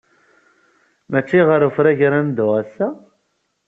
Maci ɣer ufrag ara neddu ass-a?